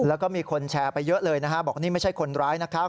แล้วก็มีคนแชร์ไปเยอะเลยนะฮะบอกนี่ไม่ใช่คนร้ายนะครับ